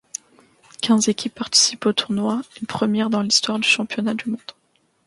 Quinze équipes participent au tournoi, une première dans l'histoire du Championnat du monde.